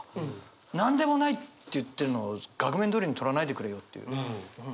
なんでもないって言ってんのを額面どおりにとらないでくれよっていうね。